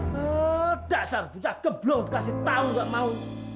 pedasar bucah geblong kasih tahu nggak mau